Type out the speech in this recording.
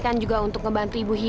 yang kamu buka hp thiana